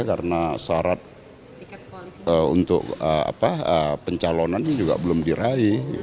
karena syarat pencalonannya juga belum diraih